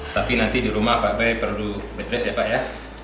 tapi nanti di rumah pak bey perlu bedress ya pak ya